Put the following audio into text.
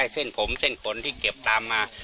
เส้นผมเส้นขนที่เก็บตามมา